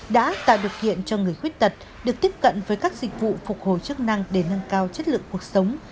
đã tạo được kiện cho người khuyết tật được tiếp cận với các dịch vụ phục hồi chức năng để nâng cao chất lượng cuộc sống